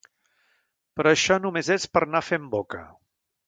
Però això només és per anar fent boca.